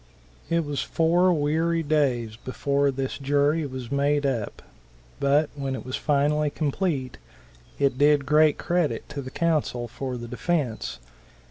It was four weary days before this jury was made up, but when it was finally complete, it did great credit to the counsel for the defence.